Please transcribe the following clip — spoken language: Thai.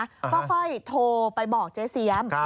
ก็ค่อยโทรไปบอกเจ๊เสียม